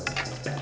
nah kita datang